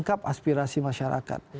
menganggap aspirasi masyarakat